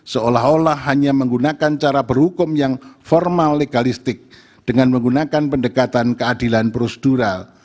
seolah olah hanya menggunakan cara berhukum yang formal legalistik dengan menggunakan pendekatan keadilan prosedural